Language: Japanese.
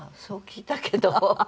そう聞いたけど。